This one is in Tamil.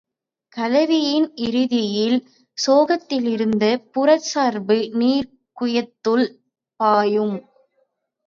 கலவியின் இறுதியில் கோசத்திலிருந்து புறச் சுரப்பு நீர் குய்யத்துள் பாயும்.